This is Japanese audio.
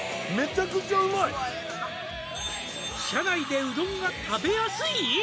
「車内でうどんが食べやすい！？」